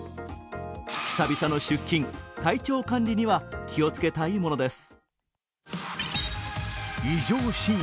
久々の出勤、体調管理には気をつけたいものです。